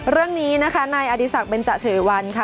เรื่องนี้นะคะนายอดีศักดิเบนจะเฉยวันค่ะ